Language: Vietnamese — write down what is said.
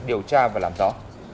điều tra và làm rõ